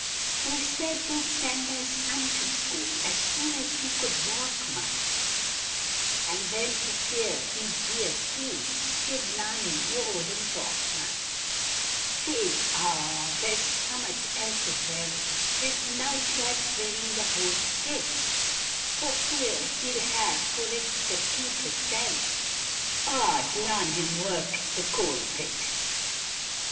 They said they'd send their son to school as soon as he could walk mon, And then for fear he'd be a foo, they'd larn him th' Owdham talk mon, Says aw there's summut else as well, there's nout loik drainin th' whole pit, For fear he'll ha' for t' keep hissell, aw'd larn him work i'th coal pit.